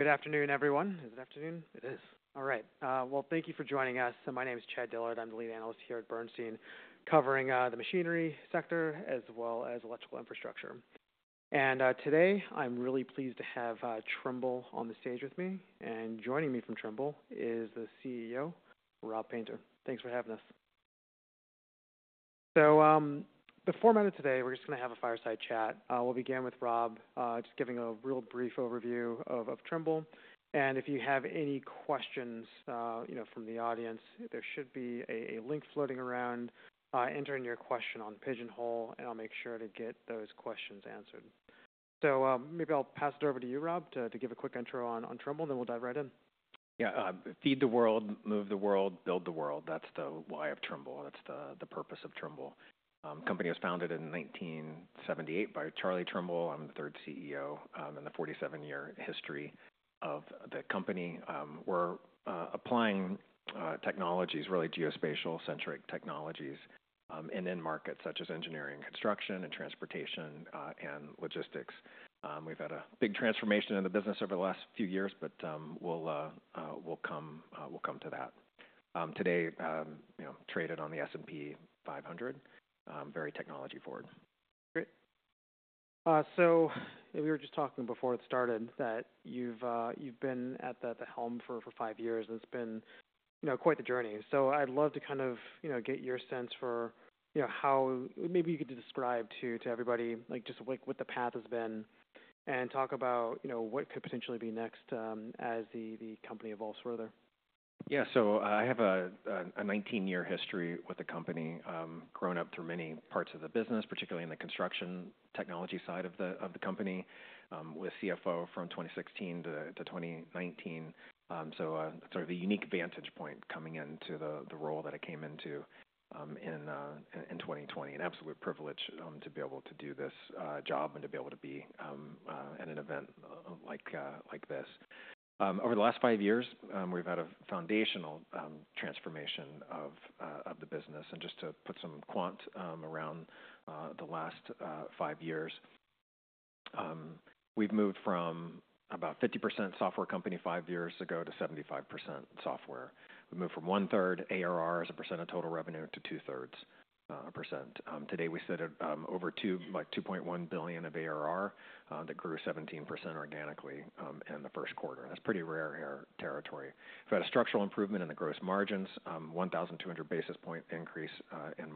Good afternoon, everyone. Is it afternoon? It is. All right. Thank you for joining us. My name is Chad Dillard. I'm the lead analyst here at Bernstein, covering the machinery sector as well as electrical infrastructure. Today, I'm really pleased to have Trimble on the stage with me. Joining me from Trimble is the CEO, Rob Painter. Thanks for having us. The format of today, we're just going to have a fireside chat. We'll begin with Rob just giving a real brief overview of Trimble. If you have any questions from the audience, there should be a link floating around. Enter in your question on Pigeonhole, and I'll make sure to get those questions answered. Maybe I'll pass it over to you, Rob, to give a quick intro on Trimble, then we'll dive right in. Yeah. Feed the world, move the world, build the world. That's the why of Trimble. That's the purpose of Trimble. The company was founded in 1978 by Charlie Trimble. I'm the third CEO in the 47-year history of the company. We're applying technologies, really geospatial-centric technologies, in markets such as engineering, construction, and transportation, and logistics. We've had a big transformation in the business over the last few years, but we'll come to that. Today, traded on the S&P 500, very technology-forward. Great. We were just talking before it started that you've been at the helm for five years, and it's been quite the journey. I'd love to kind of get your sense for how maybe you could describe to everybody just what the path has been and talk about what could potentially be next as the company evolves further. Yeah. So I have a 19-year history with the company, grown up through many parts of the business, particularly in the construction technology side of the company, was CFO from 2016 to 2019. Sort of a unique vantage point coming into the role that I came into in 2020, an absolute privilege to be able to do this job and to be able to be at an event like this. Over the last five years, we've had a foundational transformation of the business. Just to put some quant around the last five years, we've moved from about 50% software company five years ago to 75% software. We moved from 1/3 ARR as a percent of total revenue to 2/3 percent. Today, we sit at over $2.1 billion of ARR that grew 17% organically in the first quarter. That's pretty rare territory. We've had a structural improvement in the gross margins, 1,200 basis point increase in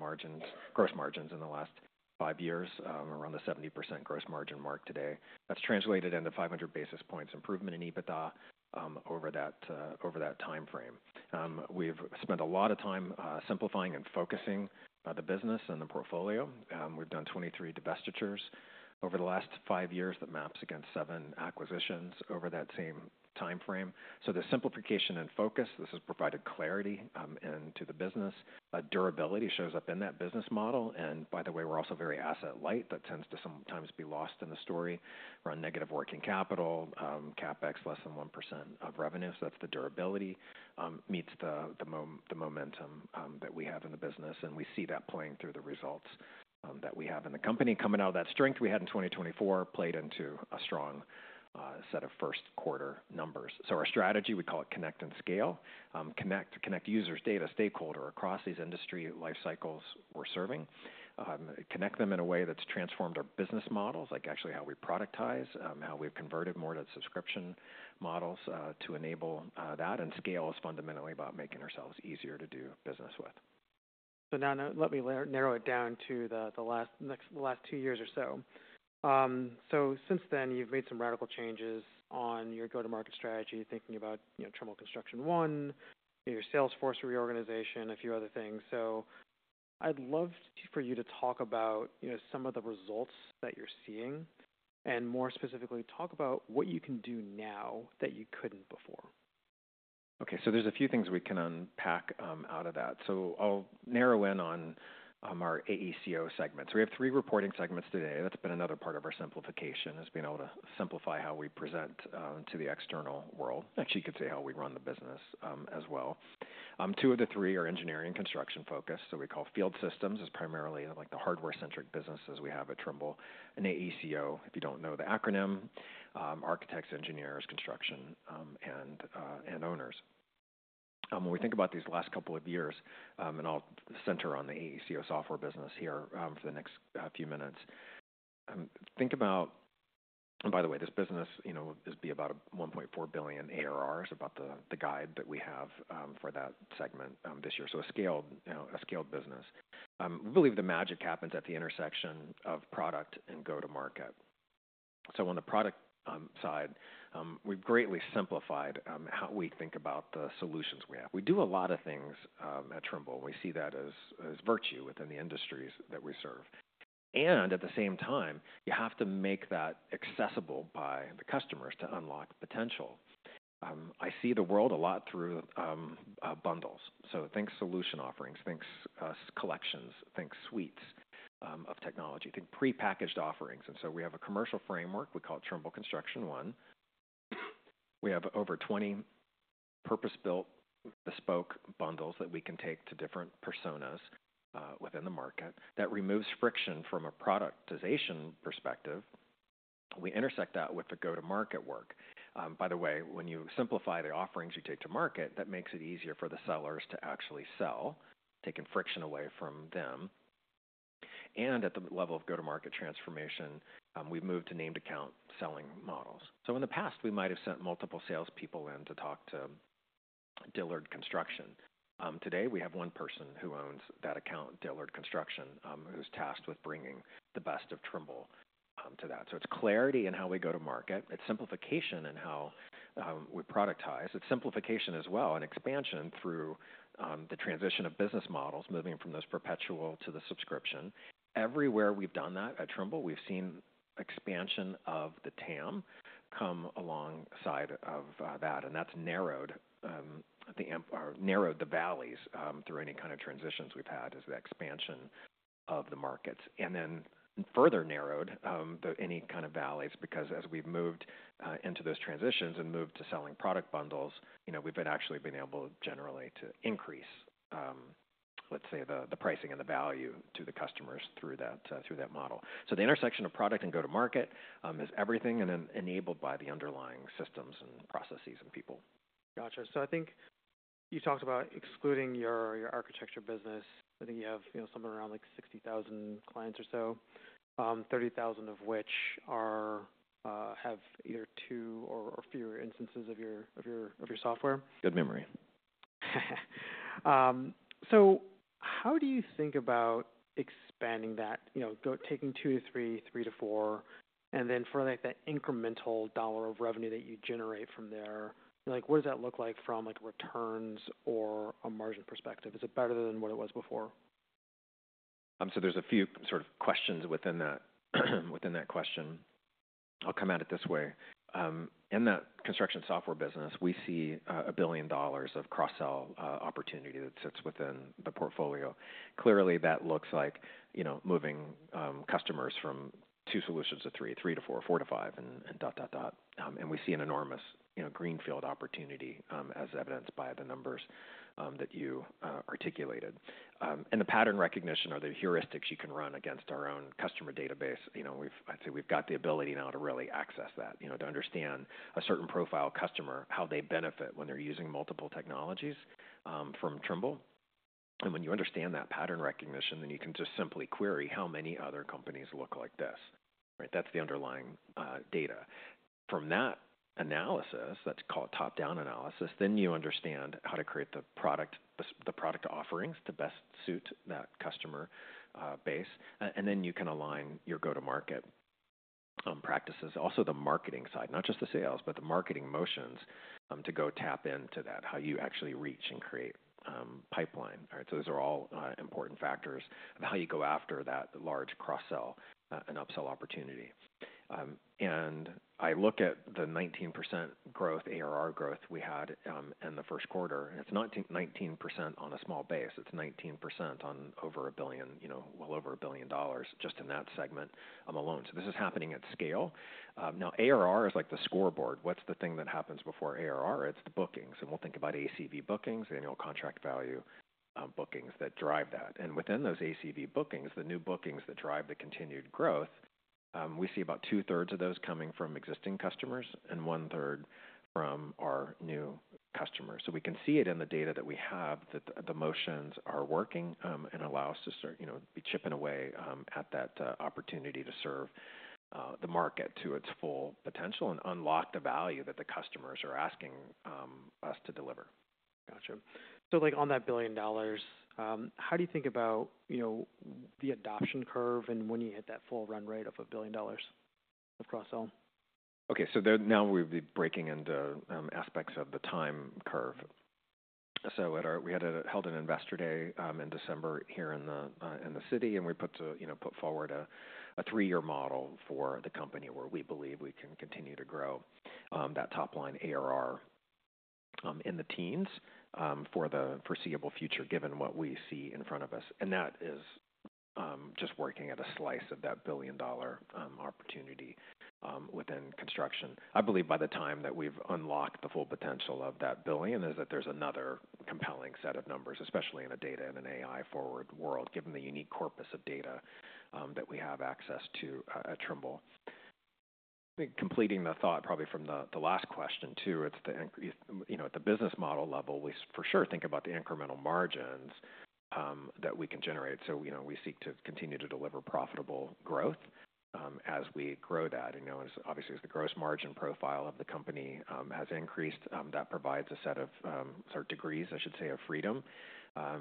gross margins in the last five years, around the 70% gross margin mark today. That's translated into 500 basis points improvement in EBITDA over that time frame. We've spent a lot of time simplifying and focusing the business and the portfolio. We've done 23 divestitures over the last five years that maps against seven acquisitions over that same time frame. The simplification and focus, this has provided clarity into the business. Durability shows up in that business model. By the way, we're also very asset-light. That tends to sometimes be lost in the story around negative working capital, CapEx less than 1% of revenue. That's the durability meets the momentum that we have in the business. We see that playing through the results that we have in the company. Coming out of that strength we had in 2024 played into a strong set of first-quarter numbers. Our strategy, we call it connect and scale, connect users, data, stakeholder across these industry life cycles we're serving, connect them in a way that's transformed our business models, like actually how we productize, how we've converted more to subscription models to enable that. Scale is fundamentally about making ourselves easier to do business with. Now let me narrow it down to the last two years or so. Since then, you've made some radical changes on your go-to-market strategy, thinking about Trimble Construction One, your Salesforce reorganization, a few other things. I'd love for you to talk about some of the results that you're seeing and more specifically talk about what you can do now that you couldn't before. Okay. So there's a few things we can unpack out of that. I'll narrow in on our AECO segment. We have three reporting segments today. That's been another part of our simplification, being able to simplify how we present to the external world. Actually, you could say how we run the business as well. Two of the three are engineering and construction focused. We call field systems as primarily the hardware-centric businesses we have at Trimble. AECO, if you don't know the acronym, architects, engineers, construction, and owners. When we think about these last couple of years, and I'll center on the AECO software business here for the next few minutes, think about, and by the way, this business is about $1.4 billion ARR, is about the guide that we have for that segment this year. A scaled business. We believe the magic happens at the intersection of product and go-to-market. On the product side, we've greatly simplified how we think about the solutions we have. We do a lot of things at Trimble. We see that as virtue within the industries that we serve. At the same time, you have to make that accessible by the customers to unlock potential. I see the world a lot through bundles. Think solution offerings, think collections, think suites of technology, think pre-packaged offerings. We have a commercial framework we call Trimble Construction One. We have over 20 purpose-built, bespoke bundles that we can take to different personas within the market. That removes friction from a productization perspective. We intersect that with the go-to-market work. By the way, when you simplify the offerings you take to market, that makes it easier for the sellers to actually sell, taking friction away from them. At the level of go-to-market transformation, we've moved to named-account selling models. In the past, we might have sent multiple salespeople in to talk to Dillard Construction. Today, we have one person who owns that account, Dillard Construction, who's tasked with bringing the best of Trimble to that. It's clarity in how we go to market. It's simplification in how we productize. It's simplification as well and expansion through the transition of business models, moving from those perpetual to the subscription. Everywhere we've done that at Trimble, we've seen expansion of the TAM come alongside of that. That's narrowed the valleys through any kind of transitions we've had as the expansion of the markets. Further narrowed any kind of valleys because as we've moved into those transitions and moved to selling product bundles, we've actually been able generally to increase, let's say, the pricing and the value to the customers through that model. The intersection of product and go-to-market is everything and enabled by the underlying systems and processes and people. Gotcha. I think you talked about excluding your architecture business. I think you have somewhere around 60,000 clients or so, 30,000 of which have either two or fewer instances of your software. Good memory. How do you think about expanding that, taking two to three, three to four, and then for that incremental dollar of revenue that you generate from there, what does that look like from returns or a margin perspective? Is it better than what it was before? There's a few sort of questions within that question. I'll come at it this way. In the construction software business, we see $1 billion of cross-sell opportunity that sits within the portfolio. Clearly, that looks like moving customers from two solutions to three, three to four, four to five, and dot, dot, dot. We see an enormous greenfield opportunity as evidenced by the numbers that you articulated. The pattern recognition or the heuristics you can run against our own customer database, I'd say we've got the ability now to really access that, to understand a certain profile customer, how they benefit when they're using multiple technologies from Trimble. When you understand that pattern recognition, then you can just simply query how many other companies look like this. That's the underlying data. From that analysis, that's called top-down analysis, then you understand how to create the product offerings to best suit that customer base. You can align your go-to-market practices. Also, the marketing side, not just the sales, but the marketing motions to go tap into that, how you actually reach and create pipeline. Those are all important factors of how you go after that large cross-sell and upsell opportunity. I look at the 19% growth, ARR growth we had in the first quarter. It's not 19% on a small base. It's 19% on over a billion, well over a $1 billion just in that segment alone. This is happening at scale. Now, ARR is like the scoreboard. What's the thing that happens before ARR? It's the bookings. We'll think about ACV bookings, annual contract value bookings that drive that. Within those ACV bookings, the new bookings that drive the continued growth, we see about 2/3 of those coming from existing customers and 1/3 from our new customers. We can see it in the data that we have that the motions are working and allow us to start chipping away at that opportunity to serve the market to its full potential and unlock the value that the customers are asking us to deliver. Gotcha. On that $1 billion, how do you think about the adoption curve and when you hit that full run rate of a $1 billion of cross-sell? Okay. Now we'll be breaking into aspects of the time curve. We held an Investor Day in December here in the city, and we put forward a three-year model for the company where we believe we can continue to grow that top-line ARR in the teens for the foreseeable future given what we see in front of us. That is just working at a slice of that billion-dollar opportunity within construction. I believe by the time that we've unlocked the full potential of that billion is that there's another compelling set of numbers, especially in a data and an AI-forward world, given the unique corpus of data that we have access to at Trimble. Completing the thought probably from the last question too, at the business model level, we for sure think about the incremental margins that we can generate. We seek to continue to deliver profitable growth as we grow that. Obviously, as the gross margin profile of the company has increased, that provides a set of degrees, I should say, of freedom. That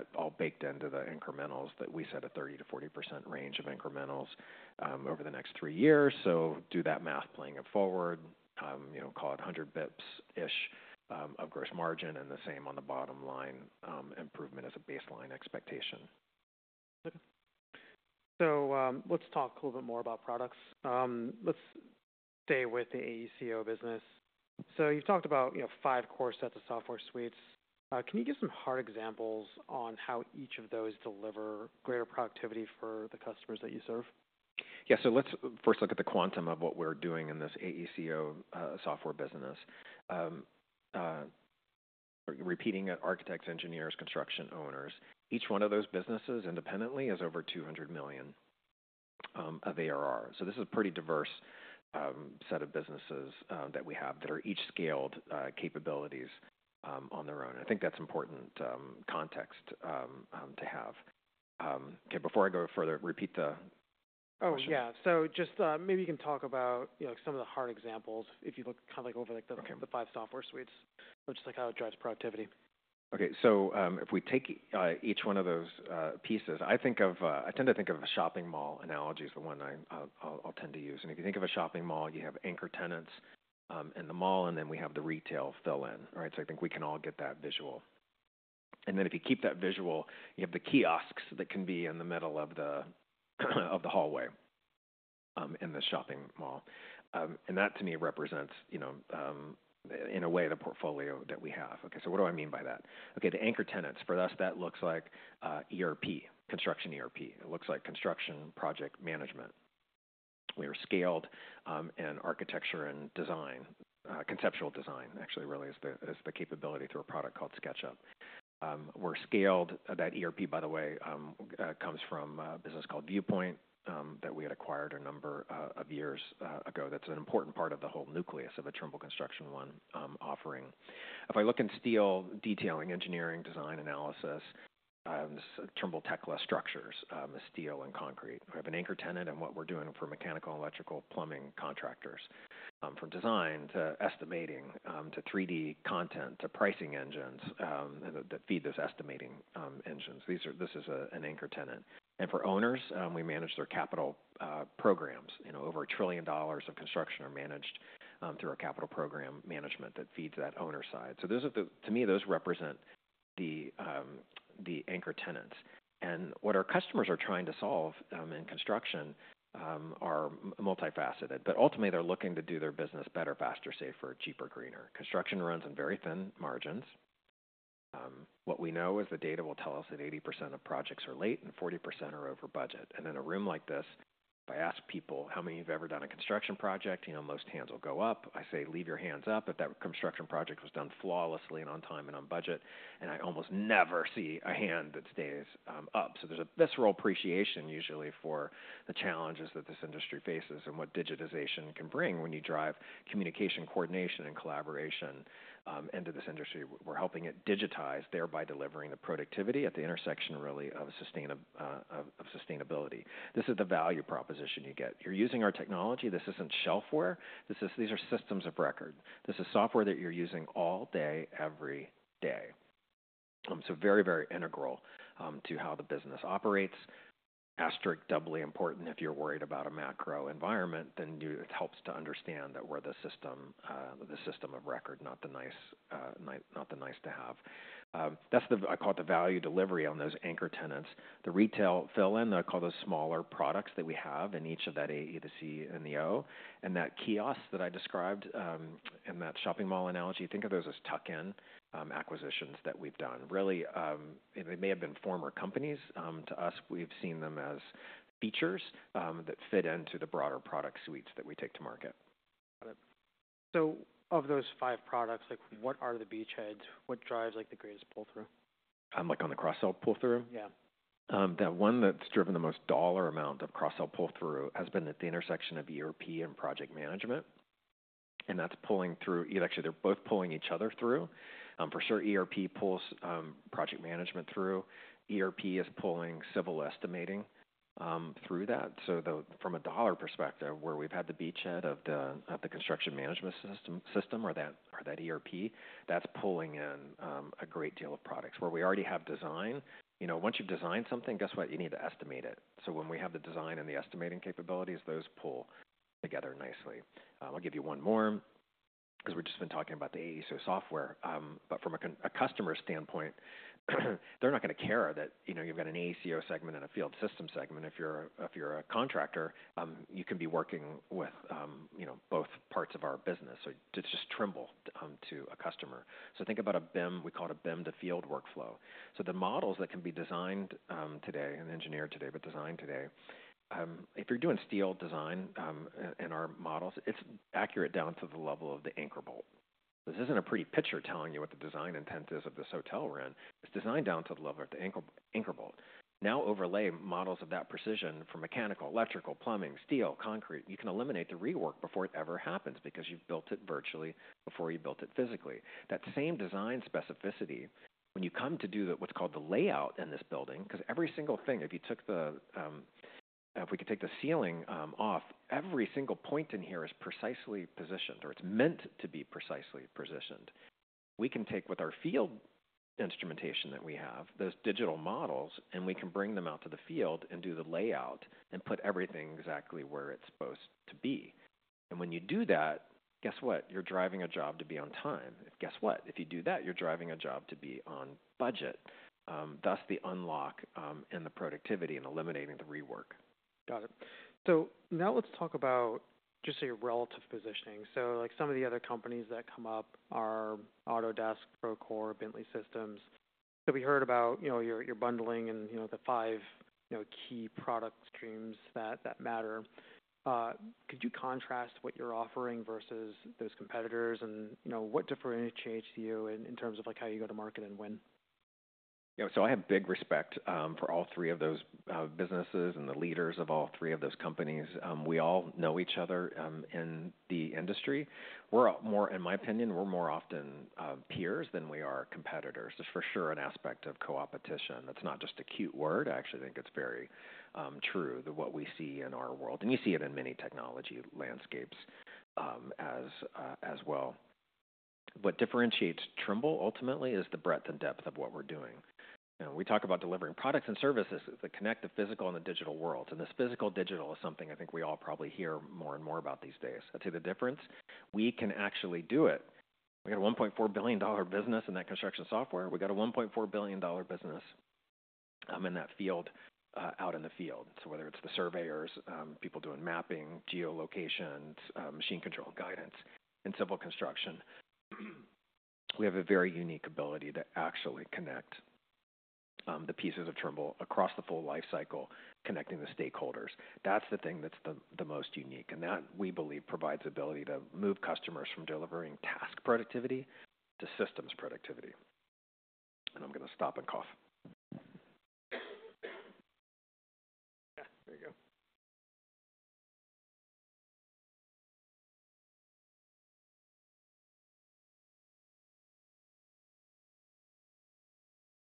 is all baked into the incrementals that we set at 30%-40% range of incrementals over the next three years. Do that math, playing it forward, call it 100 bps-ish of gross margin and the same on the bottom line improvement as a baseline expectation. Okay. So let's talk a little bit more about products. Let's stay with the AECO business. So you've talked about five core sets of software suites. Can you give some hard examples on how each of those deliver greater productivity for the customers that you serve? Yeah. Let's first look at the quantum of what we're doing in this AECO software business. Repeating architects, engineers, construction owners, each one of those businesses independently is over $200 million of ARR. This is a pretty diverse set of businesses that we have that are each scaled capabilities on their own. I think that's important context to have. Okay. Before I go further, repeat the question. Oh, yeah. Just maybe you can talk about some of the hard examples if you look kind of over the five software suites, just how it drives productivity. Okay. If we take each one of those pieces, I tend to think of a shopping mall analogy is the one I'll tend to use. If you think of a shopping mall, you have anchor tenants in the mall, and then we have the retail fill-in, right? I think we can all get that visual. If you keep that visual, you have the kiosks that can be in the middle of the hallway in the shopping mall. That, to me, represents, in a way, the portfolio that we have. Okay. What do I mean by that? Okay. The anchor tenants, for us, that looks like ERP, construction ERP. It looks like construction project management. We are scaled in architecture and design. Conceptual design, actually, really is the capability through a product called SketchUp. We're scaled. That ERP, by the way, comes from a business called Viewpoint that we had acquired a number of years ago. That's an important part of the whole nucleus of a Trimble Construction One offering. If I look in steel, detailing, engineering, design, analysis, Trimble Tekla Structures, steel and concrete. We have an anchor tenant in what we're doing for mechanical and electrical plumbing contractors, from design to estimating to 3D content to pricing engines that feed those estimating engines. This is an anchor tenant. For owners, we manage their capital programs. Over a $1 trillion of construction are managed through a capital program management that feeds that owner side. To me, those represent the anchor tenants. What our customers are trying to solve in construction are multifaceted. Ultimately, they're looking to do their business better, faster, safer, cheaper, greener. Construction runs on very thin margins. What we know is the data will tell us that 80% of projects are late and 40% are over budget. In a room like this, if I ask people, "How many of you have ever done a construction project?" most hands will go up. I say, "Leave your hands up if that construction project was done flawlessly and on time and on budget." I almost never see a hand that stays up. There is a visceral appreciation usually for the challenges that this industry faces and what digitization can bring when you drive communication, coordination, and collaboration into this industry. We are helping it digitize, thereby delivering the productivity at the intersection really of sustainability. This is the value proposition you get. You are using our technology. This is not shelfware. These are systems of record. This is software that you are using all day, every day. Very, very integral to how the business operates. Asterisk, doubly important if you're worried about a macro environment, then it helps to understand that we're the system of record, not the nice-to-have. That's what I call the value delivery on those anchor tenants. The retail fill-in, I call those smaller products that we have in each of that A, E, the C, and the O. That kiosk that I described in that shopping mall analogy, think of those as tuck-in acquisitions that we've done. Really, they may have been former companies to us. We've seen them as features that fit into the broader product suites that we take to market. Got it. So of those five products, what are the beachheads? What drives the greatest pull-through? On the cross-sell pull-through? Yeah. That one that's driven the most dollar amount of cross-sell pull-through has been at the intersection of ERP and project management. That's pulling through actually, they're both pulling each other through. For sure, ERP pulls project management through. ERP is pulling civil estimating through that. From a dollar perspective, where we've had the beachhead of the construction management system or that ERP, that's pulling in a great deal of products. Where we already have design, once you've designed something, guess what? You need to estimate it. When we have the design and the estimating capabilities, those pull together nicely. I'll give you one more because we've just been talking about the AECO software. From a customer standpoint, they're not going to care that you've got an AECO segment and a field system segment. If you're a contractor, you can be working with both parts of our business. It is just Trimble to a customer. Think about a BIM. We call it a BIM-to-Field workflow. The models that can be designed today and engineered today, but designed today, if you're doing steel design in our models, it is accurate down to the level of the anchor bolt. This is not a pretty picture telling you what the design intent is of this hotel we are in. It is designed down to the level of the anchor bolt. Now overlay models of that precision for mechanical, electrical, plumbing, steel, concrete. You can eliminate the rework before it ever happens because you have built it virtually before you built it physically. That same design specificity, when you come to do what's called the layout in this building, because every single thing, if you took the, if we could take the ceiling off, every single point in here is precisely positioned or it's meant to be precisely positioned. We can take with our field instrumentation that we have, those digital models, and we can bring them out to the field and do the layout and put everything exactly where it's supposed to be. When you do that, guess what? You're driving a job to be on time. Guess what? If you do that, you're driving a job to be on budget, thus the unlock in the productivity and eliminating the rework. Got it. Now let's talk about just your relative positioning. Some of the other companies that come up are Autodesk, Procore, Bentley Systems. We heard about your bundling and the five key product streams that matter. Could you contrast what you're offering versus those competitors? What differentiates you in terms of how you go to market and win? Yeah. So I have big respect for all three of those businesses and the leaders of all three of those companies. We all know each other in the industry. In my opinion, we're more often peers than we are competitors. There's for sure an aspect of co-opetition. That's not just a cute word. I actually think it's very true that what we see in our world. You see it in many technology landscapes as well. What differentiates Trimble ultimately is the breadth and depth of what we're doing. We talk about delivering products and services that connect the physical and the digital world. This physical digital is something I think we all probably hear more and more about these days. I'd say the difference, we can actually do it. We got a $1.4 billion business in that construction software. We got a $1.4 billion business in that field out in the field. Whether it's the surveyors, people doing mapping, geolocations, machine control guidance, and civil construction, we have a very unique ability to actually connect the pieces of Trimble across the full lifecycle, connecting the stakeholders. That is the thing that's the most unique. That, we believe, provides the ability to move customers from delivering task productivity to systems productivity. I'm going to stop and cough.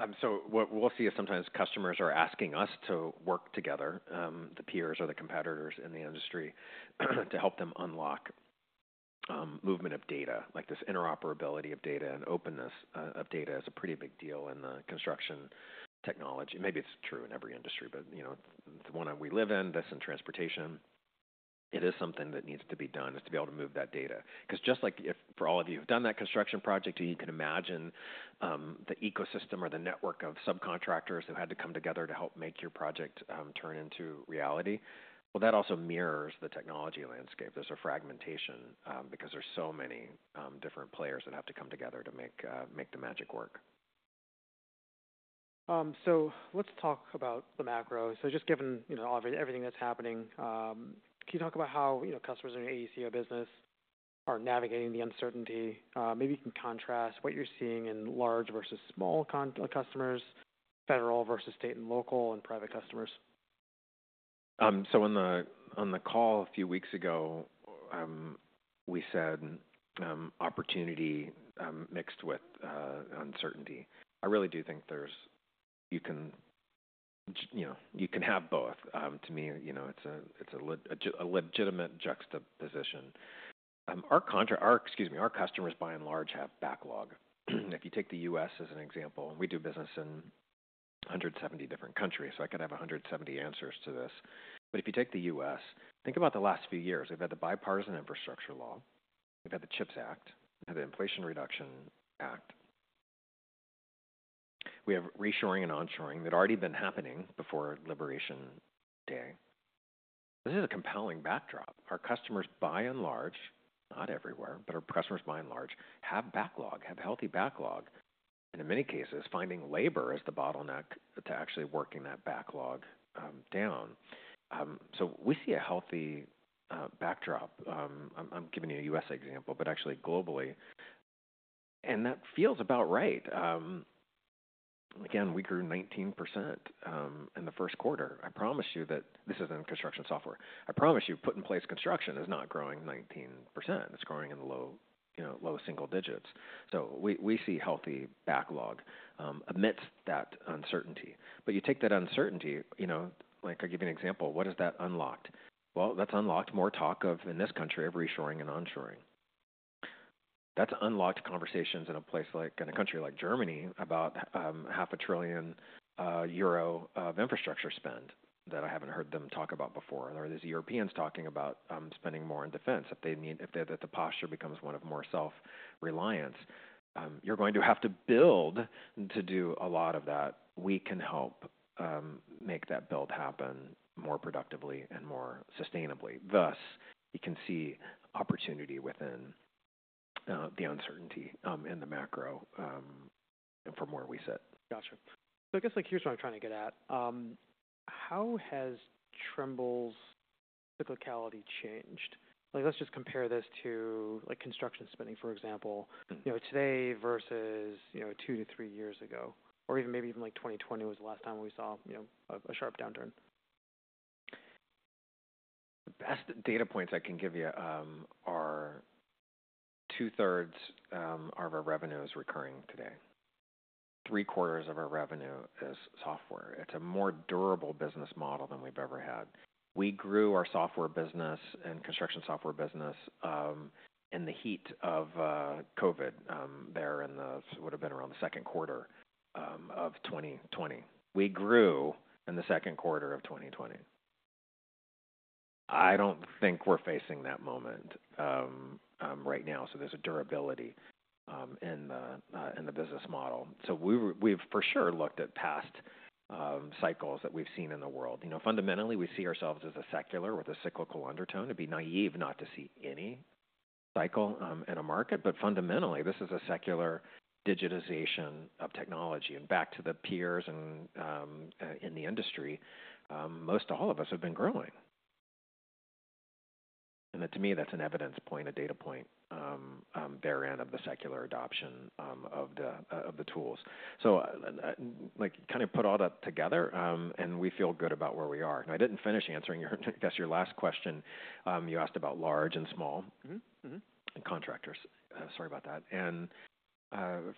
Yeah. There you go. What we'll see is sometimes customers are asking us to work together, the peers or the competitors in the industry, to help them unlock movement of data. This interoperability of data and openness of data is a pretty big deal in the construction technology. Maybe it's true in every industry, but the one we live in, this in transportation, it is something that needs to be done is to be able to move that data. Because just like if for all of you who've done that construction project, you can imagine the ecosystem or the network of subcontractors who had to come together to help make your project turn into reality. That also mirrors the technology landscape. There's a fragmentation because there's so many different players that have to come together to make the magic work. Let's talk about the macro. Just given everything that's happening, can you talk about how customers in your AECO business are navigating the uncertainty? Maybe you can contrast what you're seeing in large versus small customers, federal versus state and local and private customers. On the call a few weeks ago, we said opportunity mixed with uncertainty. I really do think you can have both. To me, it's a legitimate juxtaposition. Excuse me, our customers by and large have backlog. If you take the U.S. as an example, we do business in 170 different countries. I could have 170 answers to this. If you take the U.S., think about the last few years. We've had the Bipartisan Infrastructure Law. We've had the CHIPS Act. We've had the Inflation Reduction Act. We have reshoring and onshoring that had already been happening before Liberation Day. This is a compelling backdrop. Our customers by and large, not everywhere, but our customers by and large have backlog, have healthy backlog. In many cases, finding labor is the bottleneck to actually working that backlog down. We see a healthy backdrop. I'm giving you a U.S. example, but actually globally. That feels about right. Again, we grew 19% in the first quarter. I promise you that this isn't construction software. I promise you put in place construction is not growing 19%. It's growing in the low single digits. We see healthy backlog amidst that uncertainty. You take that uncertainty, I'll give you an example. What has that unlocked? That's unlocked more talk in this country of reshoring and onshoring. That's unlocked conversations in a country like Germany about 500,000 euro of infrastructure spend that I haven't heard them talk about before. There are these Europeans talking about spending more in defense if the posture becomes one of more self-reliance. You're going to have to build to do a lot of that. We can help make that build happen more productively and more sustainably. Thus, you can see opportunity within the uncertainty in the macro and from where we sit. Gotcha. I guess here's what I'm trying to get at. How has Trimble's cyclicality changed? Let's just compare this to construction spending, for example, today versus two to three years ago, or maybe even 2020 was the last time we saw a sharp downturn. The best data points I can give you are 2/3 of our revenue is recurring today. 3/4 of our revenue is software. It's a more durable business model than we've ever had. We grew our software business and construction software business in the heat of COVID there in the, it would have been around the second quarter of 2020. We grew in the second quarter of 2020. I don't think we're facing that moment right now. There is a durability in the business model. We have for sure looked at past cycles that we've seen in the world. Fundamentally, we see ourselves as a secular with a cyclical undertone. It'd be naive not to see any cycle in a market. Fundamentally, this is a secular digitization of technology. Back to the peers in the industry, most all of us have been growing. To me, that's an evidence point, a data point therein of the secular adoption of the tools. Kind of put all that together, and we feel good about where we are. I did not finish answering your, I guess, your last question. You asked about large and small contractors. Sorry about that.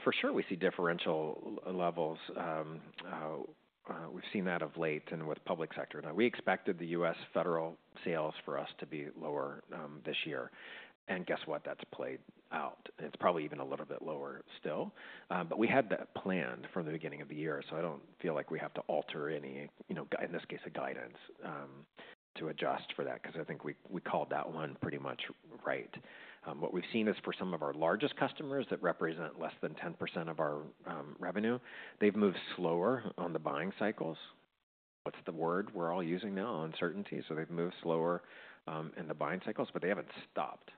For sure, we see differential levels. We have seen that of late and with public sector. We expected the U.S. federal sales for us to be lower this year. Guess what? That has played out. It is probably even a little bit lower still. We had that planned from the beginning of the year. I do not feel like we have to alter any, in this case, a guidance to adjust for that because I think we called that one pretty much right. What we've seen is for some of our largest customers that represent less than 10% of our revenue, they've moved slower on the buying cycles. What's the word we're all using now? Uncertainty. They have moved slower in the buying cycles, but they haven't stopped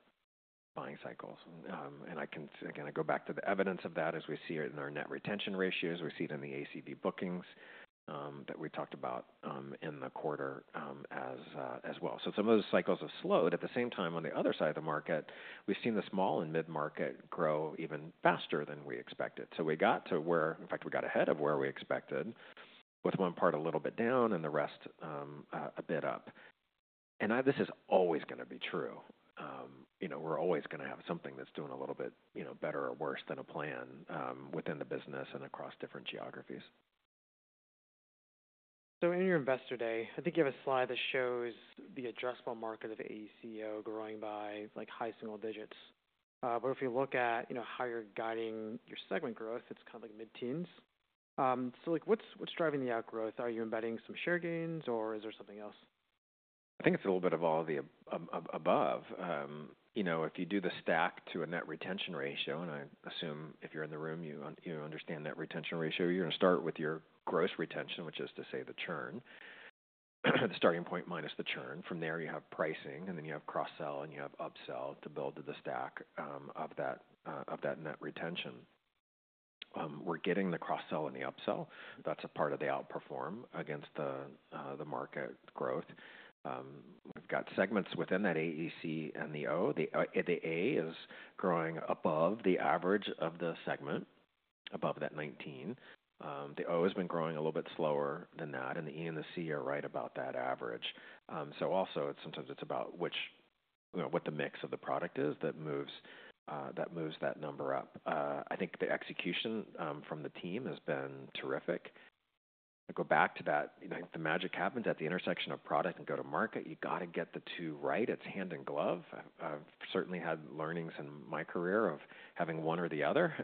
buying cycles. I go back to the evidence of that as we see it in our net retention ratios. We see it in the ACV bookings that we talked about in the quarter as well. Some of those cycles have slowed. At the same time, on the other side of the market, we've seen the small and mid-market grow even faster than we expected. We got to where, in fact, we got ahead of where we expected, with one part a little bit down and the rest a bit up. This is always going to be true. We're always going to have something that's doing a little bit better or worse than a plan within the business and across different geographies. In your investor day, I think you have a slide that shows the addressable market of AECO growing by high single digits. If you look at how you're guiding your segment growth, it's kind of like mid-teens. What's driving the outgrowth? Are you embedding some share gains, or is there something else? I think it's a little bit of all of the above. If you do the stack to a net retention ratio, and I assume if you're in the room, you understand net retention ratio, you're going to start with your gross retention, which is to say the churn, the starting point minus the churn. From there, you have pricing, and then you have cross-sell, and you have upsell to build to the stack of that net retention. We're getting the cross-sell and the upsell. That's a part of the outperform against the market growth. We've got segments within that AEC and the O. The A is growing above the average of the segment, above that 19. The O has been growing a little bit slower than that. The E and the C are right about that average. Sometimes it's about what the mix of the product is that moves that number up. I think the execution from the team has been terrific. I go back to that. The magic happens at the intersection of product and go-to-market. You got to get the two right. It's hand and glove. I've certainly had learnings in my career of having one or the other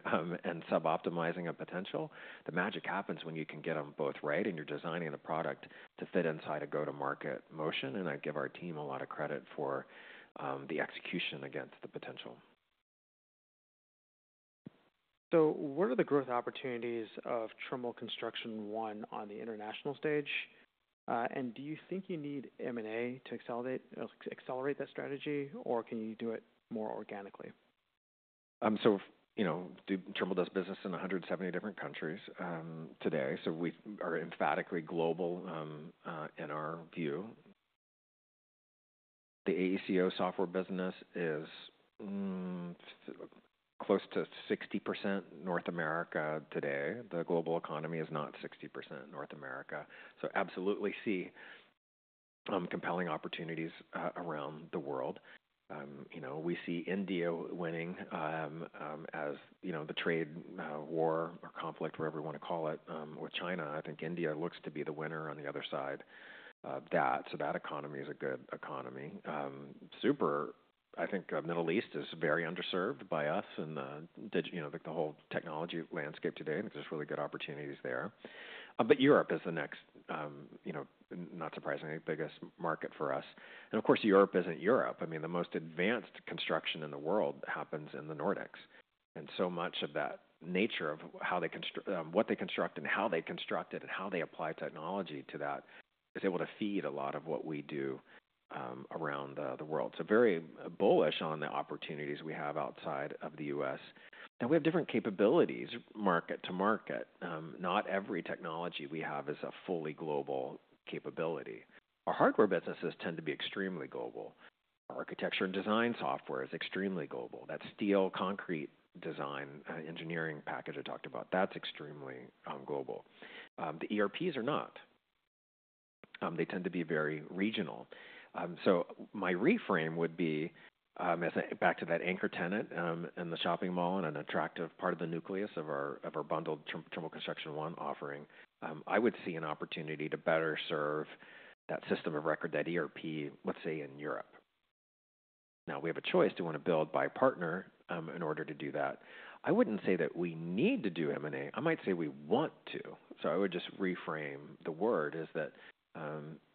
and sub-optimizing a potential. The magic happens when you can get them both right, and you're designing the product to fit inside a go-to-market motion. I give our team a lot of credit for the execution against the potential. What are the growth opportunities of Trimble Construction One on the international stage? Do you think you need M&A to accelerate that strategy, or can you do it more organically? Trimble does business in 170 different countries today. We are emphatically global in our view. The AECO software business is close to 60% North America today. The global economy is not 60% North America. Absolutely see compelling opportunities around the world. We see India winning as the trade war or conflict, whatever you want to call it, with China. I think India looks to be the winner on the other side. That economy is a good economy. I think the Middle East is very underserved by us and the whole technology landscape today. There are really good opportunities there. Europe is the next, not surprisingly, biggest market for us. Of course, Europe is not Europe. I mean, the most advanced construction in the world happens in the Nordics. Much of that nature of what they construct and how they construct it and how they apply technology to that is able to feed a lot of what we do around the world. Very bullish on the opportunities we have outside of the U.S. Now, we have different capabilities market to market. Not every technology we have is a fully global capability. Our hardware businesses tend to be extremely global. Our architecture and design software is extremely global. That steel, concrete design engineering package I talked about, that's extremely global. The ERPs are not. They tend to be very regional. My reframe would be back to that anchor tenant in the shopping mall and an attractive part of the nucleus of our bundled Trimble Construction One offering. I would see an opportunity to better serve that system of record, that ERP, let's say in Europe. Now, we have a choice to want to build by partner in order to do that. I would not say that we need to do M&A. I might say we want to. I would just reframe the word is that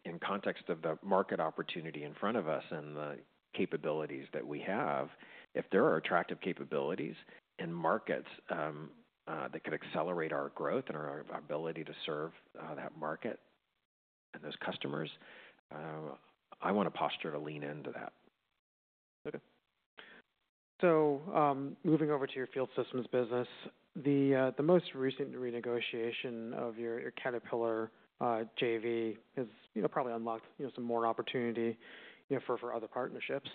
in context of the market opportunity in front of us and the capabilities that we have, if there are attractive capabilities and markets that could accelerate our growth and our ability to serve that market and those customers, I want a posture to lean into that. Okay. So moving over to your field systems business, the most recent renegotiation of your Caterpillar JV has probably unlocked some more opportunity for other partnerships.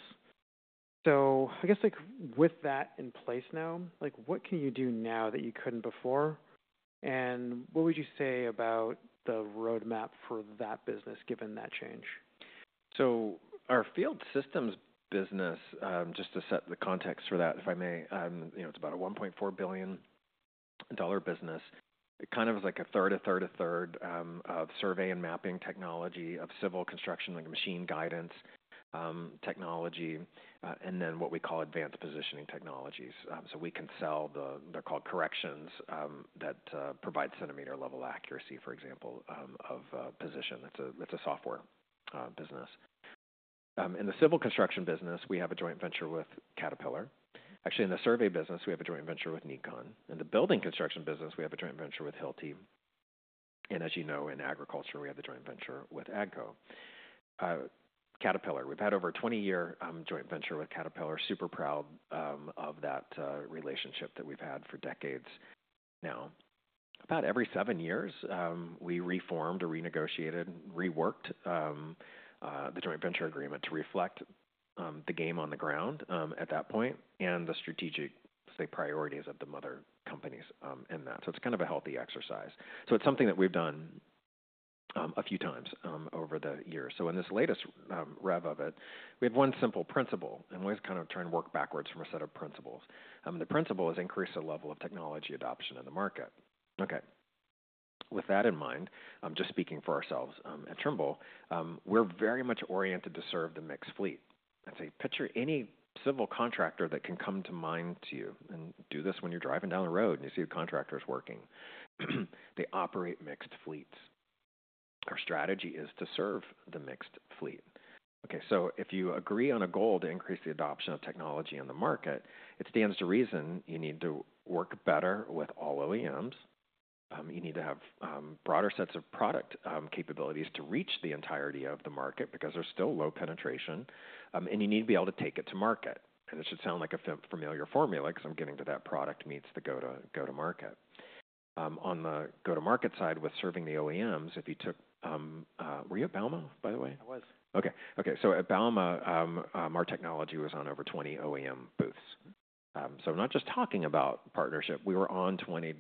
So I guess with that in place now, what can you do now that you couldn't before? And what would you say about the roadmap for that business given that change? Our field systems business, just to set the context for that, if I may, it's about a $1.4 billion business. It kind of is like a third, a third, a third of survey and mapping technology, of civil construction, machine guidance technology, and then what we call advanced positioning technologies. We can sell the, they're called corrections that provide centimeter-level accuracy, for example, of position. It's a software business. In the civil construction business, we have a joint venture with Caterpillar. Actually, in the survey business, we have a joint venture with Nikon. In the building construction business, we have a joint venture with Hilti. As you know, in agriculture, we have a joint venture with AGCO. Caterpillar, we've had over a 20-year joint venture with Caterpillar. Super proud of that relationship that we've had for decades now. About every seven years, we reformed or renegotiated, reworked the joint venture agreement to reflect the game on the ground at that point and the strategic priorities of the mother companies in that. It is kind of a healthy exercise. It is something that we have done a few times over the years. In this latest rev of it, we have one simple principle. We always kind of try and work backwards from a set of principles. The principle is increase the level of technology adoption in the market. Okay. With that in mind, just speaking for ourselves at Trimble, we are very much oriented to serve the mixed fleet. I would say picture any civil contractor that can come to mind to you and do this when you are driving down the road and you see a contractor's working. They operate mixed fleets. Our strategy is to serve the mixed fleet. Okay. If you agree on a goal to increase the adoption of technology in the market, it stands to reason you need to work better with all OEMs. You need to have broader sets of product capabilities to reach the entirety of the market because there's still low penetration. You need to be able to take it to market. It should sound like a familiar formula because I'm getting to that product meets the go-to-market. On the go-to-market side with serving the OEMs, if you took, were you at Bauma, by the way? I was. Okay. Okay. At Bauma, our technology was on over 20 OEM booths. I'm not just talking about partnership. We were on 20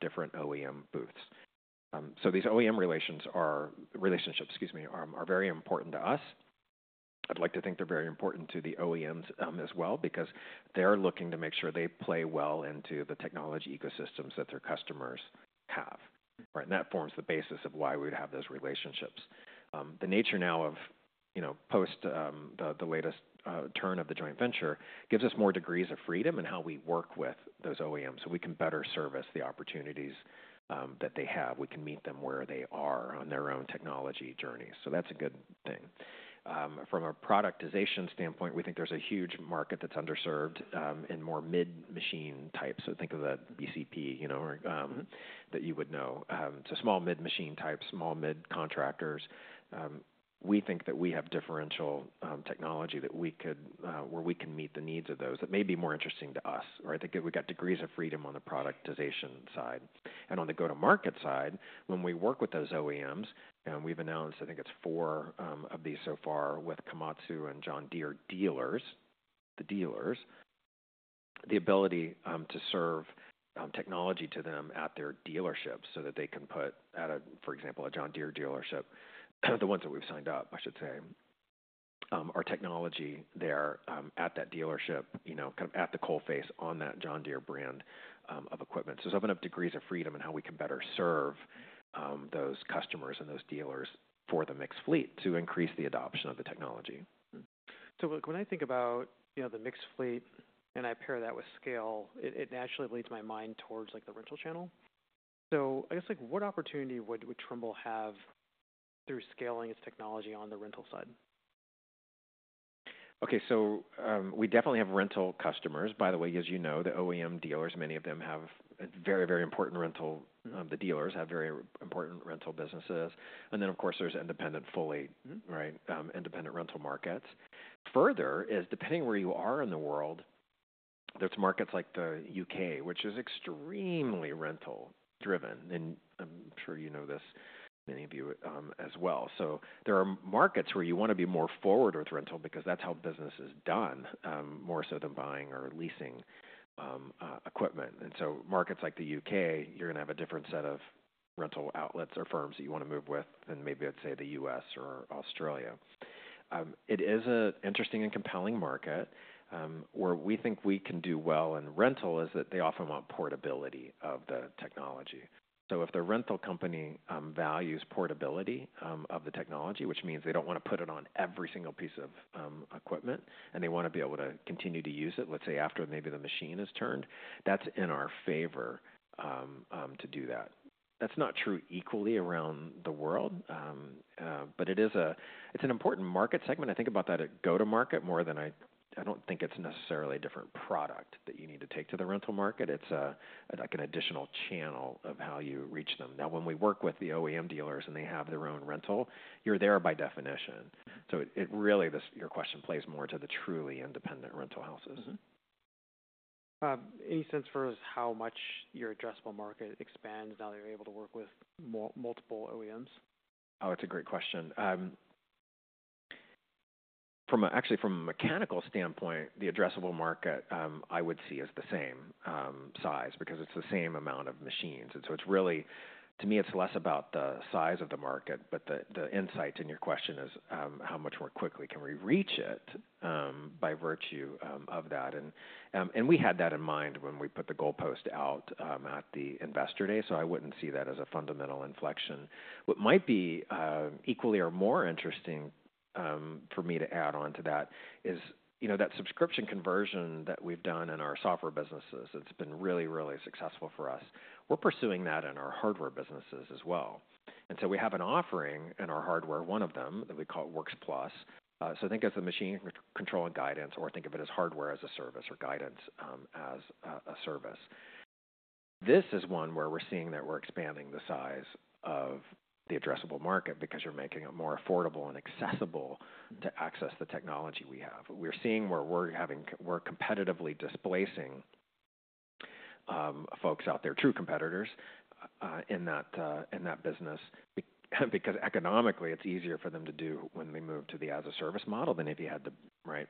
different OEM booths. These OEM relationships, excuse me, are very important to us. I'd like to think they're very important to the OEMs as well because they're looking to make sure they play well into the technology ecosystems that their customers have. That forms the basis of why we would have those relationships. The nature now of post the latest turn of the joint venture gives us more degrees of freedom in how we work with those OEMs so we can better service the opportunities that they have. We can meet them where they are on their own technology journey. That's a good thing. From a productization standpoint, we think there's a huge market that's underserved in more mid-machine types. Think of the BCP that you would know. Small mid-machine types, small mid-contractors. We think that we have differential technology where we can meet the needs of those that may be more interesting to us. I think we have degrees of freedom on the productization side. On the go-to-market side, when we work with those OEMs, and we've announced, I think, four of these so far with Komatsu and John Deere dealers, the dealers, the ability to serve technology to them at their dealerships so that they can put, for example, a John Deere dealership, the ones that we've signed up, I should say, our technology there at that dealership, kind of at the coalface on that John Deere brand of equipment. It's opened up degrees of freedom in how we can better serve those customers and those dealers for the mixed fleet to increase the adoption of the technology. When I think about the mixed fleet and I pair that with scale, it naturally leads my mind towards the rental channel. I guess what opportunity would Trimble have through scaling its technology on the rental side? Okay. We definitely have rental customers. By the way, as you know, the OEM dealers, many of them have very, very important rental. The dealers have very important rental businesses. Of course, there is independent, fully, right, independent rental markets. Further, depending where you are in the world, there are markets like the U.K., which is extremely rental-driven. I am sure you know this, many of you as well. There are markets where you want to be more forward with rental because that is how business is done, more so than buying or leasing equipment. In markets like the U.K., you are going to have a different set of rental outlets or firms that you want to move with than maybe, I would say, the U.S. or Australia. It is an interesting and compelling market. Where we think we can do well in rental is that they often want portability of the technology. If the rental company values portability of the technology, which means they do not want to put it on every single piece of equipment, and they want to be able to continue to use it, let's say, after maybe the machine is turned, that is in our favor to do that. That is not true equally around the world, but it is an important market segment. I think about that at go-to-market more than I do not think it is necessarily a different product that you need to take to the rental market. It is like an additional channel of how you reach them. Now, when we work with the OEM dealers and they have their own rental, you are there by definition. Your question plays more to the truly independent rental houses. Any sense for us how much your addressable market expands now that you're able to work with multiple OEMs? Oh, it's a great question. Actually, from a mechanical standpoint, the addressable market, I would see as the same size because it's the same amount of machines. It's really, to me, it's less about the size of the market, but the insight in your question is how much more quickly can we reach it by virtue of that. We had that in mind when we put the goalpost out at the investor day. I wouldn't see that as a fundamental inflection. What might be equally or more interesting for me to add on to that is that subscription conversion that we've done in our software businesses. It's been really, really successful for us. We're pursuing that in our hardware businesses as well. We have an offering in our hardware, one of them, that we call Works Plus. Think of it as the machine control and guidance, or think of it as hardware as a service or guidance as a service. This is one where we're seeing that we're expanding the size of the addressable market because you're making it more affordable and accessible to access the technology we have. We're seeing where we're competitively displacing folks out there, true competitors in that business because economically, it's easier for them to do when they move to the as-a-service model than if you had to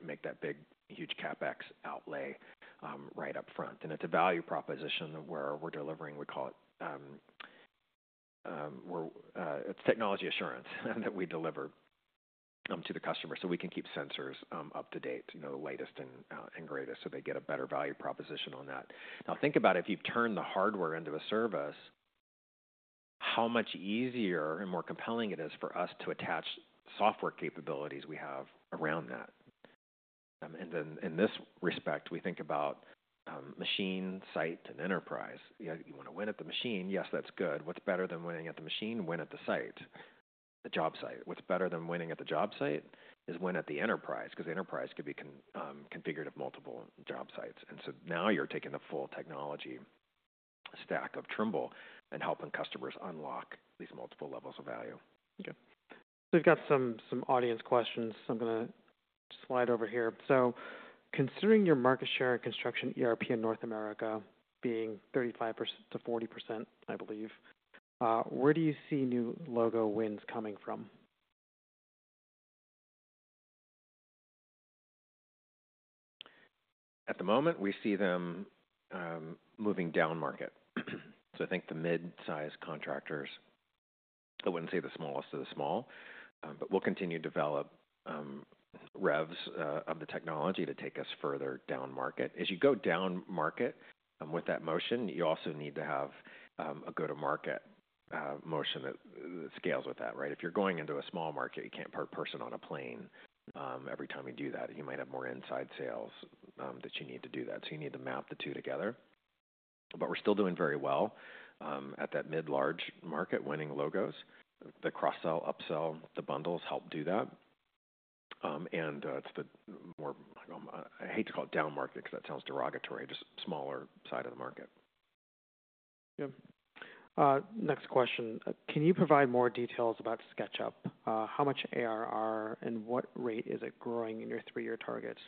make that big, huge CapEx outlay right up front. It's a value proposition where we're delivering, we call it it's technology assurance that we deliver to the customer so we can keep sensors up to date, the latest and greatest, so they get a better value proposition on that. Now, think about if you've turned the hardware into a service, how much easier and more compelling it is for us to attach software capabilities we have around that. In this respect, we think about machine, site, and enterprise. You want to win at the machine, yes, that's good. What's better than winning at the machine? Win at the site, the job site. What's better than winning at the job site is win at the enterprise because the enterprise could be configured at multiple job sites. Now you're taking the full technology stack of Trimble and helping customers unlock these multiple levels of value. Okay. So we've got some audience questions. I'm going to slide over here. Considering your market share in construction ERP in North America being 35%-40%, I believe, where do you see new logo wins coming from? At the moment, we see them moving down market. I think the mid-size contractors, I would not say the smallest of the small, but we will continue to develop revs of the technology to take us further down market. As you go down market with that motion, you also need to have a go-to-market motion that scales with that, right? If you are going into a small market, you cannot put a person on a plane every time you do that. You might have more inside sales that you need to do that. You need to map the two together. We are still doing very well at that mid-large market winning logos. The cross-sell, up-sell, the bundles help do that. It is the more—I hate to call it down market because that sounds derogatory—just smaller side of the market. Yeah. Next question. Can you provide more details about SketchUp? How much ARR and what rate is it growing in your three-year targets?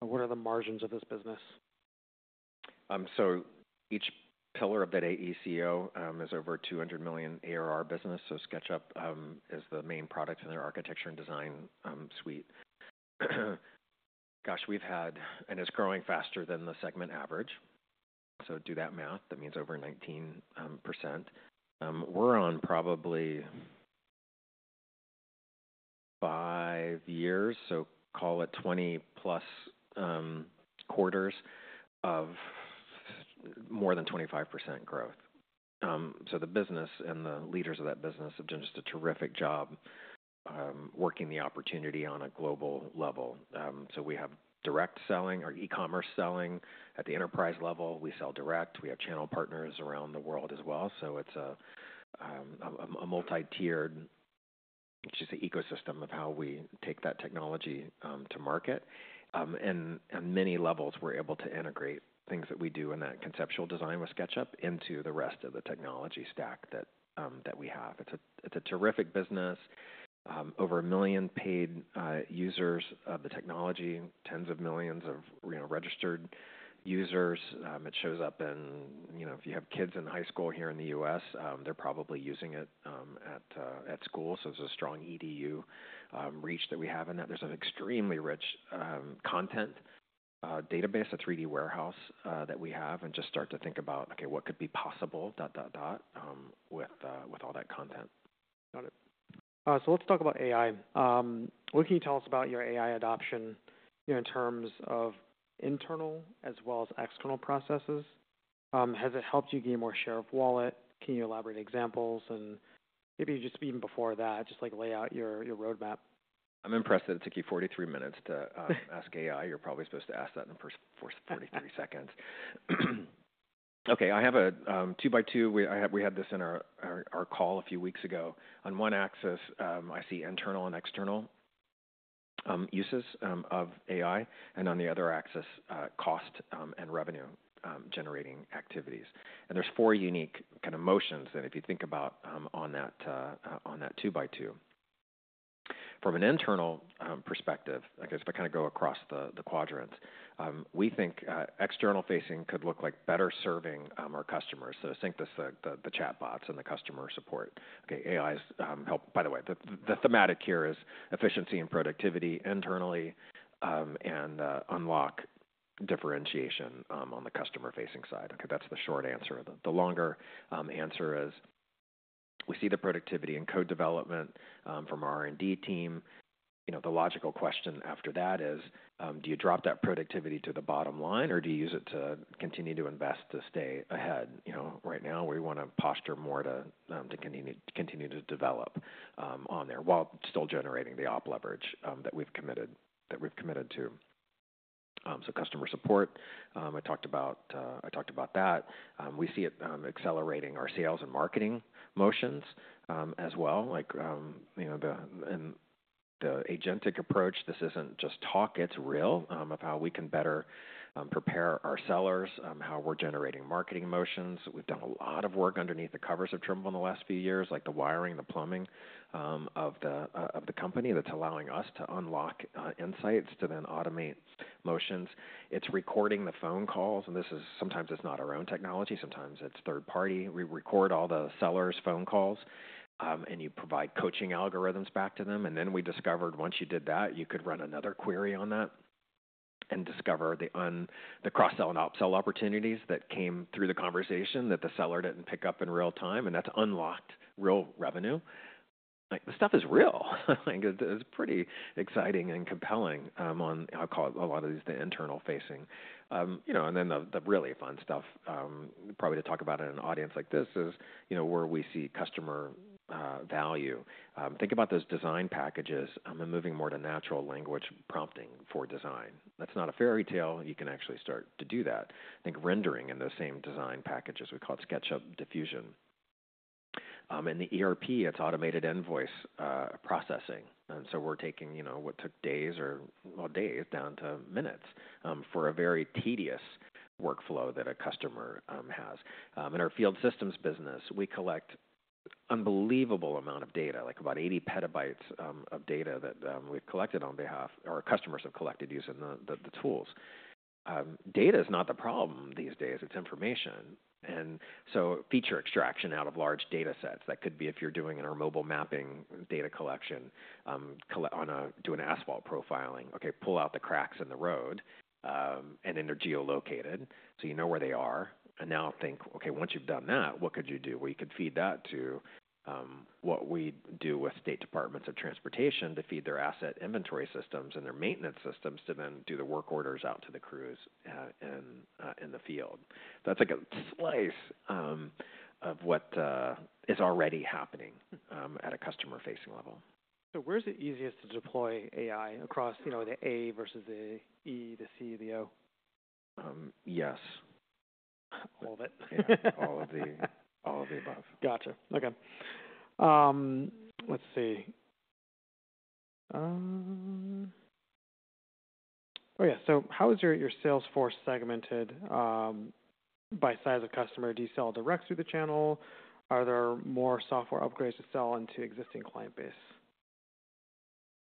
What are the margins of this business? Each pillar of that AECO is over $200 million ARR business. SketchUp is the main product in their architecture and design suite. Gosh, we've had, and it's growing faster than the segment average. Do that math. That means over 19%. We're on probably five years, so call it 20-plus quarters of more than 25% growth. The business and the leaders of that business have done just a terrific job working the opportunity on a global level. We have direct selling or e-commerce selling at the enterprise level. We sell direct. We have channel partners around the world as well. It's a multi-tiered, just an ecosystem of how we take that technology to market. On many levels, we're able to integrate things that we do in that conceptual design with SketchUp into the rest of the technology stack that we have. It's a terrific business. Over a million paid users of the technology, tens of millions of registered users. It shows up in if you have kids in high school here in the U.S., they're probably using it at school. There is a strong EDU reach that we have in that. There is an extremely rich content database, a 3D warehouse that we have, and just start to think about, okay, what could be possible... with all that content. Got it. Let's talk about AI. What can you tell us about your AI adoption in terms of internal as well as external processes? Has it helped you gain more share of wallet? Can you elaborate examples? Maybe just even before that, just lay out your roadmap. I'm impressed that it took you 43 minutes to ask AI. You're probably supposed to ask that in the first 43 seconds. Okay. I have a two-by-two. We had this in our call a few weeks ago. On one axis, I see internal and external uses of AI, and on the other axis, cost and revenue-generating activities. And there's four unique kind of motions that if you think about on that two-by-two. From an internal perspective, I guess if I kind of go across the quadrants, we think external facing could look like better serving our customers. Think the chatbots and the customer support. Okay. AI's help. By the way, the thematic here is efficiency and productivity internally and unlock differentiation on the customer-facing side. That's the short answer. The longer answer is we see the productivity in code development from our R&D team. The logical question after that is, do you drop that productivity to the bottom line, or do you use it to continue to invest to stay ahead? Right now, we want to posture more to continue to develop on there while still generating the op leverage that we've committed to. Customer support, I talked about that. We see it accelerating our sales and marketing motions as well. In the agentic approach, this isn't just talk. It's real of how we can better prepare our sellers, how we're generating marketing motions. We've done a lot of work underneath the covers of Trimble in the last few years, like the wiring, the plumbing of the company that's allowing us to unlock insights to then automate motions. It's recording the phone calls. Sometimes it's not our own technology. Sometimes it's third-party. We record all the sellers' phone calls, and you provide coaching algorithms back to them. Then we discovered once you did that, you could run another query on that and discover the cross-sell and up-sell opportunities that came through the conversation that the seller did not pick up in real time. That has unlocked real revenue. The stuff is real. It is pretty exciting and compelling on, I will call it, a lot of these, the internal facing. The really fun stuff, probably to talk about in an audience like this, is where we see customer value. Think about those design packages and moving more to natural language prompting for design. That is not a fairy tale. You can actually start to do that. I think rendering in the same design packages, we call it SketchUp diffusion. In the ERP, it is automated invoice processing. We're taking what took days or days down to minutes for a very tedious workflow that a customer has. In our field systems business, we collect an unbelievable amount of data, like about 80 petabytes of data that we've collected on behalf or our customers have collected using the tools. Data is not the problem these days. It's information. Feature extraction out of large data sets that could be if you're doing an our mobile mapping data collection on a do an asphalt profiling, okay, pull out the cracks in the road and then they're geolocated. You know where they are. Now think, once you've done that, what could you do? You could feed that to what we do with State Departments of Transportation to feed their asset inventory systems and their maintenance systems to then do the work orders out to the crews in the field. That is like a slice of what is already happening at a customer-facing level. Where is it easiest to deploy AI across the A versus the E, the C, the O? Yes. All of it. All of the above. Gotcha. Okay. Let's see. Oh yeah. So how is your Salesforce segmented by size of customer? Do you sell direct through the channel? Are there more software upgrades to sell into existing client base?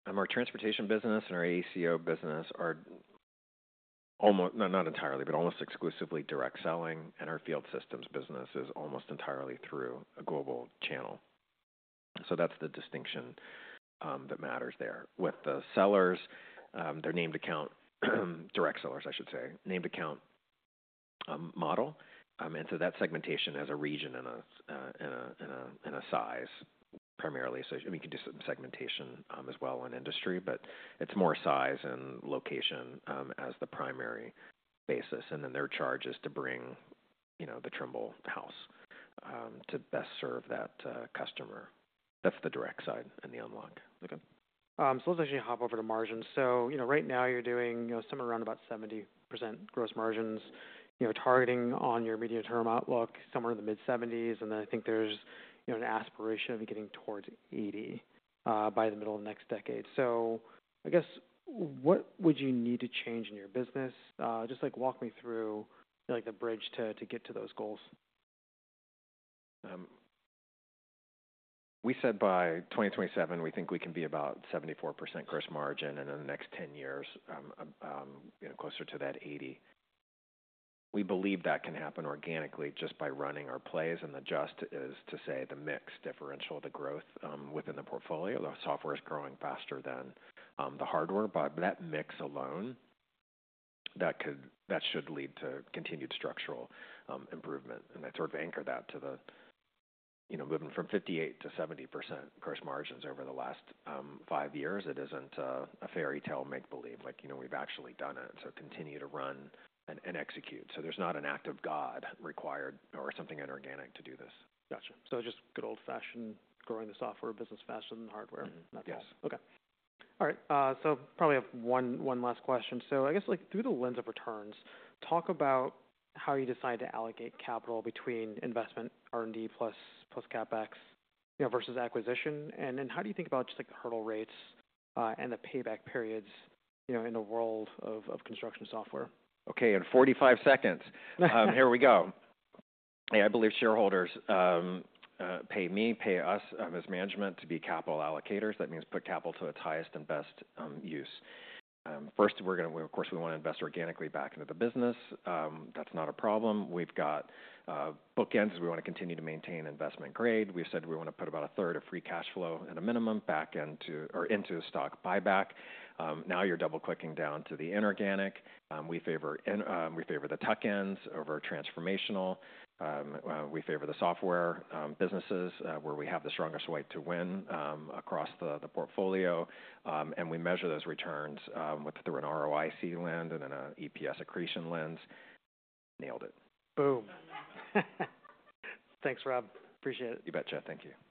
Our transportation business and our AECO business are almost not entirely, but almost exclusively direct selling. Our field systems business is almost entirely through a global channel. That is the distinction that matters there. With the sellers, they are named account direct sellers, I should say, named account model. That segmentation has a region and a size primarily. You can do some segmentation as well on industry, but it is more size and location as the primary basis. Their charge is to bring the Trimble house to best serve that customer. That is the direct side and the unlock. Okay. Let's actually hop over to margins. Right now, you're doing somewhere around about 70% gross margins, targeting on your medium-term outlook somewhere in the mid-70s. I think there's an aspiration of getting towards 80% by the middle of the next decade. I guess what would you need to change in your business? Just walk me through the bridge to get to those goals. We said by 2027, we think we can be about 74% gross margin. In the next 10 years, closer to that 80%. We believe that can happen organically just by running our plays. And the just is to say the mix differential, the growth within the portfolio. The software is growing faster than the hardware. But that mix alone, that should lead to continued structural improvement. I sort of anchor that to the moving from 58% to 70% gross margins over the last five years. It is not a fairy tale make-believe. We have actually done it. Continue to run and execute. There is not an act of God required or something inorganic to do this. Gotcha. So just good old-fashioned growing the software business, fashion, hardware. Yes. Okay. All right. So probably have one last question. I guess through the lens of returns, talk about how you decide to allocate capital between investment, R&D plus CapEx versus acquisition. How do you think about just hurdle rates and the payback periods in the world of construction software? Okay. In 45 seconds, here we go. I believe shareholders pay me, pay us as management to be capital allocators. That means put capital to its highest and best use. First, of course, we want to invest organically back into the business. That's not a problem. We've got bookends. We want to continue to maintain investment grade. We've said we want to put about a third of free cash flow at a minimum back into stock buyback. Now you're double-clicking down to the inorganic. We favor the tuck-ends over transformational. We favor the software businesses where we have the strongest weight to win across the portfolio. We measure those returns through an ROIC lens and then an EPS accretion lens. Nailed it. Boom. Thanks, Rob. Appreciate it. You betcha. Thank you.